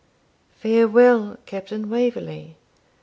Farewell, Captain Waverley!